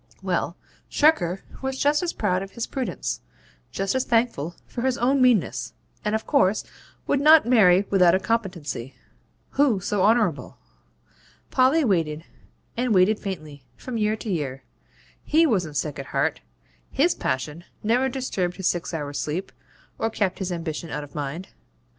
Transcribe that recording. Well, Shirker was just as proud of his prudence just as thankful for his own meanness, and of course would not marry without a competency. Who so honourable? Polly waited, and waited faintly, from year to year. HE wasn't sick at heart; HIS passion never disturbed his six hours' sleep, or kept his ambition out of mind.